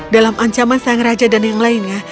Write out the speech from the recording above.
dalam ancaman sang raja dan yang lainnya